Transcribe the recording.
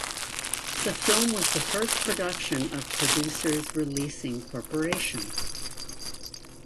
The film was the first production of Producers Releasing Corporation.